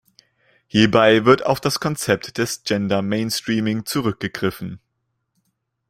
Hierbei wird auf das Konzept des Gender Mainstreaming zurückgegriffen.